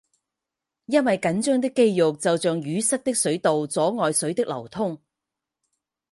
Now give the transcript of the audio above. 因为紧张的肌肉就像淤塞的水管阻碍水的流通。